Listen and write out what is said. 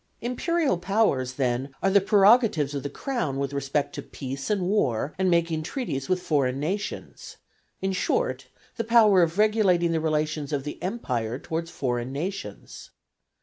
Imperial powers, then, are the prerogatives of the Crown with respect to peace and war, and making treaties with foreign nations; in short, the power of regulating the relations of the Empire towards foreign nations.